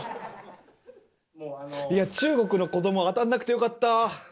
いや、中国の子ども、当たんなくてよかった。